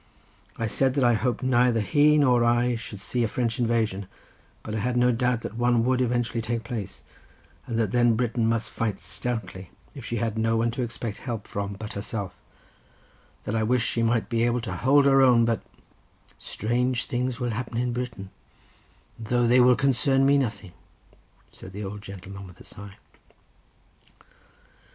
I said that I hoped neither he nor I should see a French invasion, but I had no doubt one would eventually take place, and that then Britain must fight stoutly, as she had no one to expect help from but herself; that I wished she might be able to hold her own, but— "Strange things will happen in Britain, though they will concern me nothing," said the old gentleman with a sigh.